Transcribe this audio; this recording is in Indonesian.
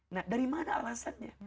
nah dari mana alasannya